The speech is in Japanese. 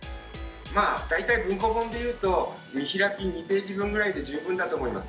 まあ大体文庫本で言うと見開き２ページ分ぐらいで十分だと思います。